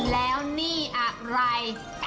แล้วนี่อะไร